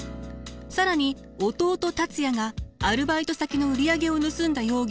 更に弟達也がアルバイト先の売り上げを盗んだ容疑で逮捕。